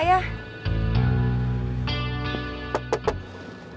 di depan kiri mang